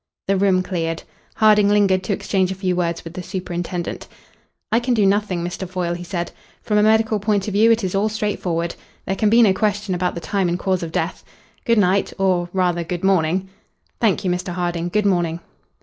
The room cleared. Harding lingered to exchange a few words with the superintendent. "I can do nothing, Mr. Foyle," he said. "From a medical point of view it is all straightforward. There can be no question about the time and cause of death. Good night, or rather, good morning." "Thank you, Mr. Harding, good morning."